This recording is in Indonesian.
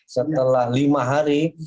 setelah lima hari